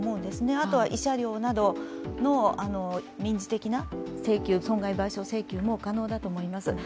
あとは慰謝料などの民事的な損害賠償請求も可能だと思います。